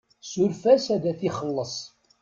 Suref-as ad t-ixelleṣ.